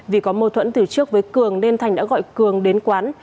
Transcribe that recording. vì có mâu thuẫn từ trước với cường nên thành đã gọi cường đến quán